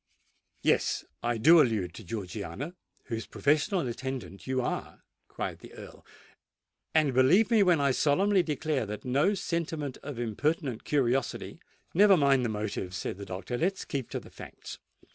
"Yes—I do allude to Georgiana, whose professional attendant you are," cried the Earl. "And believe me when I solemnly declare that no sentiment of impertinent curiosity——" "Never mind the motives," said the doctor: "let us keep to the facts.